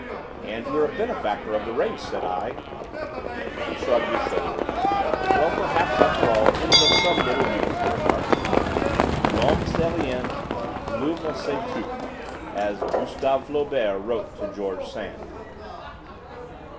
"And you are a benefactor of the race," said I. He shrugged his shoulders. "Well, perhaps, after all, it is of some little use," he remarked. "'L'homme c'est rien—l'œuvre c'est tout,' as Gustave Flaubert wrote to George Sand."